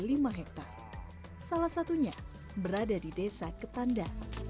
tarionoto hari adalah salah satu petani yang berada di desa ketanda